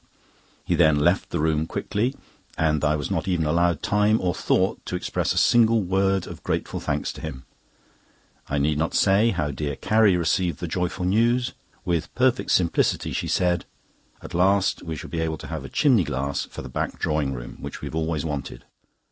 He then left the room quickly, and I was not even allowed time or thought to express a single word of grateful thanks to him. I need not say how dear Carrie received this joyful news. With perfect simplicity she said: "At last we shall be able to have a chimney glass for the back drawing room, which we always wanted."